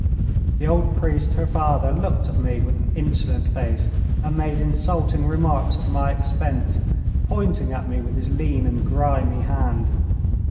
The old priest, her father, looked at me with an insolent face and made insulting remarks at my expense, pointing at me with his lean and grimy hand.